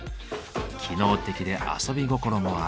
機能的で遊び心もある。